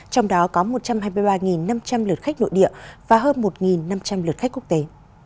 trong đó có một trăm hai mươi ba năm trăm linh lượt khách nội địa và hơn một năm trăm linh lượt khách quốc tế